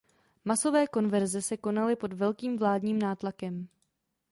Masové konverze se konaly pod velkým vládním nátlakem.